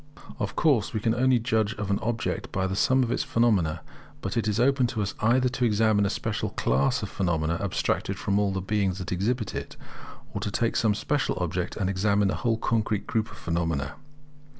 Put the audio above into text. Of course we can only judge of an object by the sum of its phenomena; but it is open to us either to examine a special class of phenomena abstracted from all the beings that exhibit it, or to take some special object, and examine the whole concrete group of phenomena.